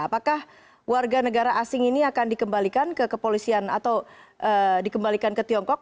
apakah warga negara asing ini akan dikembalikan ke kepolisian atau dikembalikan ke tiongkok